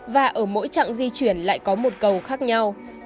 và ở mỗi chặng di chuyển lại có một cầu khác nhau